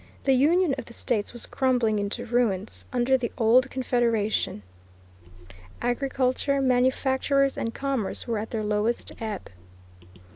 The union of the States was crumbling into ruins, under the old Confederation. Agriculture, manufactures, and commerce were at their lowest ebb.